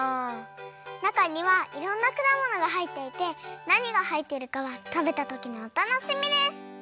なかにはいろんなくだものがはいっていてなにがはいってるかはたべたときのおたのしみです！